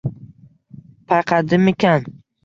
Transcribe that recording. Payqadimikan –